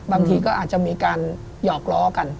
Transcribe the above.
บางทีก็อาจจะมีการหยอกล้อกัน